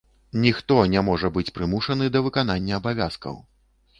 Ніхто не можа быць прымушаны да выканання абавязкаў.